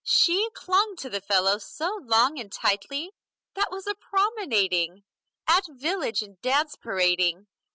She clung to the fellow so long and tightly! That was a promenading! At village and dance parading!